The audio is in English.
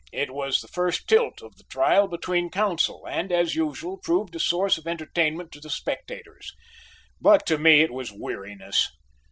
It was the first tilt of the trial between counsel and as usual proved a source of entertainment to the spectators, but to me it was weariness.